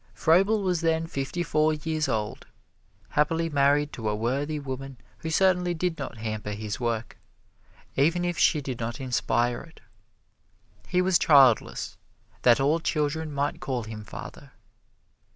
Froebel was then fifty four years old, happily married to a worthy woman who certainly did not hamper his work, even if she did not inspire it. He was childless, that all children might call him father.